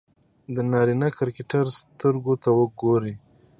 د نارينه کرکټر سترګو ته ګوري